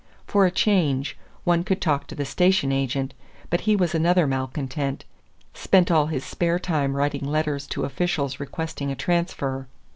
For a change, one could talk to the station agent; but he was another malcontent; spent all his spare time writing letters to officials requesting a transfer.